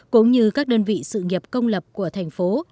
cũng như các đơn vị sự nghiệp công lập của thành phố